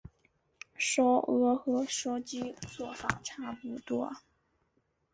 烧鹅和烧鸭做法差不多。